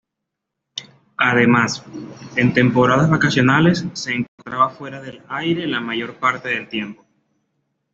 Además, en temporadas vacacionales se encontraba fuera del aire la mayor parte del tiempo.